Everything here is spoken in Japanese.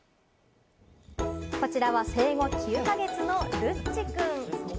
こちらは生後９か月のルッチくん。